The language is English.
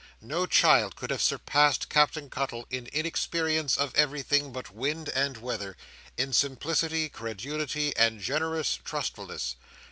No child could have surpassed Captain Cuttle in inexperience of everything but wind and weather; in simplicity, credulity, and generous trustfulness.